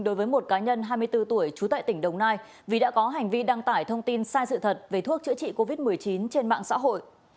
đối với một cá nhân hai mươi bốn tuổi trú tại tỉnh đồng nai vì đã có hành vi đăng tải thông tin sai sự thật về thuốc chữa trị covid một mươi chín trên mạng xã hội